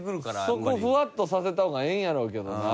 そこをふわっとさせた方がええんやろうけど。